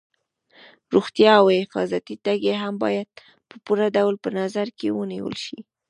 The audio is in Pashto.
روغتیا او حفاظتي ټکي هم باید په پوره ډول په نظر کې ونیول شي.